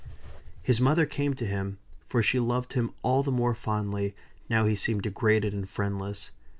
His mother came to him; for she loved him all the more fondly, now he seemed degraded and friendless.